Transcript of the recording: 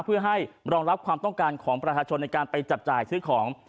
เพื่อให้รองรับความต้องการของประชาชนในการไปจับจ่ายซื้อของ